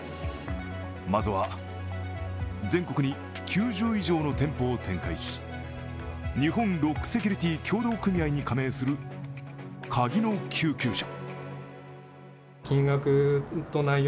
まずは全国に９０以上の店舗を展開し、日本ロックセキュリティ協同組合に加盟するカギの救急車。